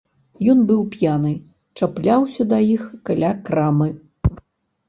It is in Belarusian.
Ён быў п'яны, чапляўся да іх каля крамы.